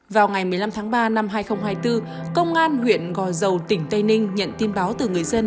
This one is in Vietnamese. vào ngày một mươi năm tháng ba năm hai nghìn hai mươi bốn công an huyện gò dầu tỉnh tây ninh nhận tin báo từ người dân